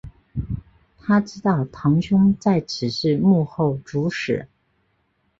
她知道堂兄在此事幕后主使。